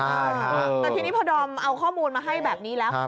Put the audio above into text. แต่ทีนี้พอดอมเอาข้อมูลมาให้แบบนี้แล้ว